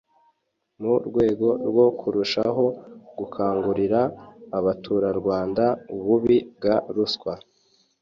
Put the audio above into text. mu rwego rwo kurushaho gukangurira abaturarwanda ububi bwa ruswa